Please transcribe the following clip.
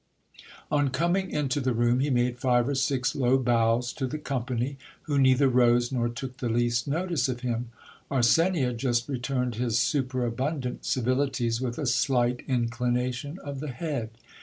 On coming into the room he made five or six low bows to the company, who neither rose nor took the least notice of him. Arsenia just returned his superabundant civilities with a slight inclination of the head.